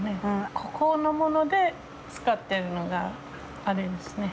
ここのもので使ってるのがあれですね。